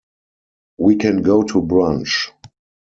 We can go to brunch!